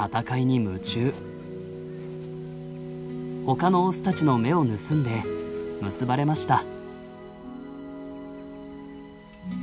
ほかのオスたちの目を盗んで結ばれました。